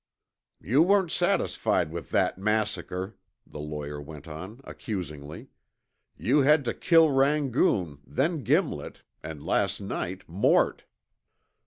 "You weren't satisfied with that massacre," the lawyer went on accusingly. "You had to kill Rangoon, then Gimlet, and last night, Mort."